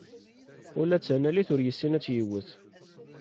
Ula d tanalit ur yessin ad tt-yewwet.